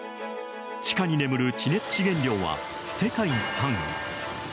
地下に眠る地熱資源量は世界３位。